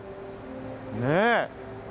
ねえ。